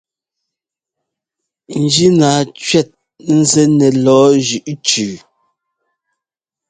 Njínaa cʉ́ɛt nzɛ́ nɛ lɔ̌ɔ jʉʼ cʉʉ.